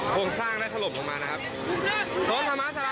กล้องทร่างได้ถล่มลงมานะครับพร้อมธรรมศาลา๒๐๐๑